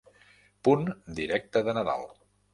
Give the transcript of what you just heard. Punt directe de Nadal.